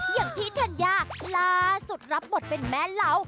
อย่างพี่ธัญญาล่าสุดรับบทเป็นแม่เหล้า